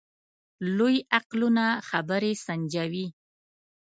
لوی عقلونه خبرې سنجوي.